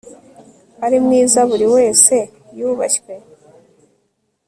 ari mwiza, buri wese yubashywe